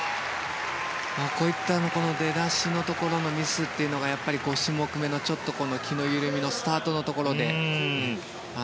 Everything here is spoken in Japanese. こういった出だしのところのミスというのがやっぱり、５種目めの気の緩みのスタートのところで。